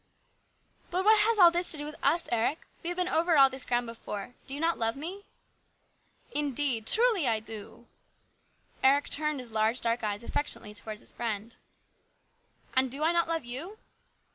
" But what has all this to do with us, Eric ? We have been over all this ground before. Do you not love me ?"" Indeed, truly I do !" v Eric turned his large dark eyes affectionately towards his friend. " And do I not love you